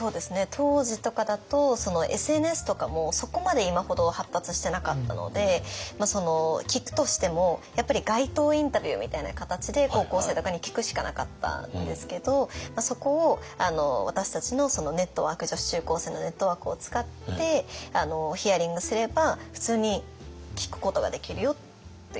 当時とかだとＳＮＳとかもそこまで今ほど発達してなかったので聞くとしてもやっぱり街頭インタビューみたいな形で高校生とかに聞くしかなかったんですけどそこを私たちの女子中高生のネットワークを使ってヒアリングすれば普通に聞くことができるよっていうような感じ。